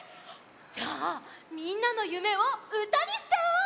じゃあみんなのゆめをうたにしちゃおう！